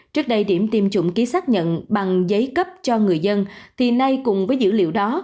trước đây điểm tiêm chủng ký xác nhận bằng giấy cấp cho người dân thì nay cùng với dữ liệu đó